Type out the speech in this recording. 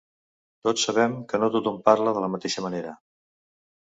Tots sabem que no tothom parla de la mateixa manera.